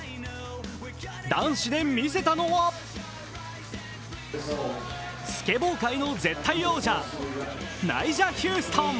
男子で見せたのは、スケボー界の絶対王者ナイジャ・ヒューストン！